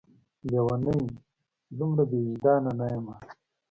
لېونۍ! دومره بې وجدان نه یمه